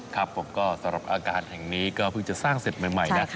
ครับผมก็สำหรับอาคารแห่งนี้ก็เพิ่งจะสร้างเสร็จใหม่นะ